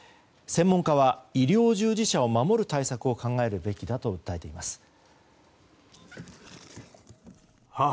専門家は医療従事者を守る対策を考えるべきだと訴えています。